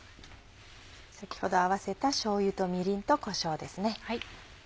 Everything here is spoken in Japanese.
先ほど合わせたしょうゆとみりんとこしょうですね。